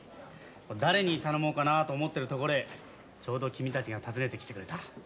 誰に頼もうかなと思ってるところへちょうど君たちが訪ねてきてくれた。